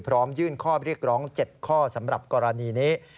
ยื่นข้อเรียกร้อง๗ข้อสำหรับกรณีนี้